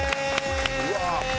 うわ